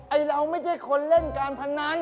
เราไม่ใช่คนเล่นการพนัน